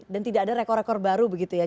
dan tidak ada rekor rekor baru begitu ya